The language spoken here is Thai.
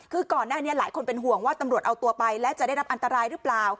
คือก่อนหน้านี้หลายคนเป็นห่วงว่าตำรวจเอาตัวไปและจะได้รับอันตรายหรือเปล่า